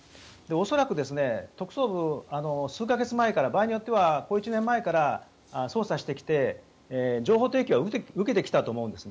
恐らく、特捜部数か月前から場合によっては小一年前から捜査してきて、情報提供は受けてきたんだと思うんです。